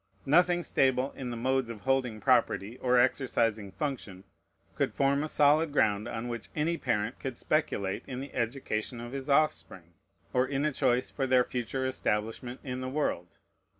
Nothing stable in the modes of holding property or exercising function could form a solid ground on which any parent could speculate in the education of his offspring, or in a choice for their future establishment in the world.